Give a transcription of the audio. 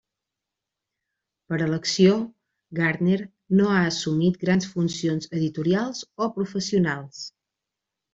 Per elecció, Gardner no ha assumit grans funcions editorials o professionals.